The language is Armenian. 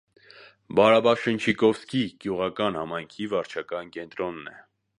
Բարաբանշչիկովսկի գյուղական համայնքի վարչական կենտրոնն է։